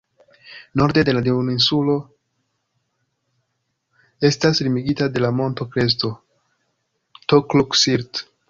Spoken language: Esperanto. Norde la duoninsulo estas limigita de la monto-kresto "Tokluk-Sirt".